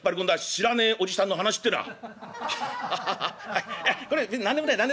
知らねえおじさんの話ってのは」。